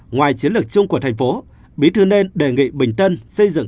ngoài chiến lược chung của tp hcm bí thư nên đề nghị bình tân xây dựng